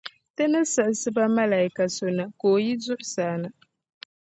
Ti ni siɣisi ba Malaaika so na ka o yi zuɣusaa na